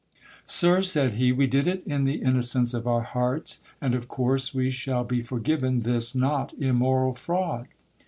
Sir, said he, we did it in the innocence of our hearts, and of course we shall be forgiven this not immoral fraud